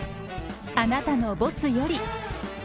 あなたのボスより。